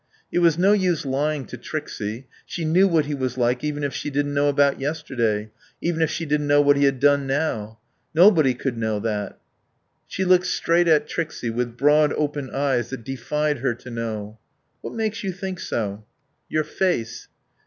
It was no use lying to Trixie. She knew what he was like, even if she didn't know about yesterday, even if she didn't know what he had done now. Nobody could know that. She looked straight at Trixie, with broad, open eyes that defied her to know. "What makes you think so?" "Your face."